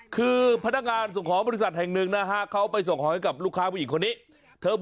คือพนักงานส่งของบริษัทแห่งหนึ่งนะครับ